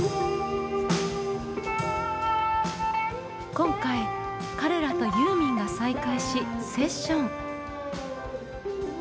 今回彼らとユーミンが再会しセッション。